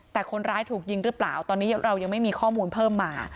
แต่คนร้ายถูกยิงหรือเปล่าตอนนี้เรายังไม่มีข้อมูลเพิ่มมา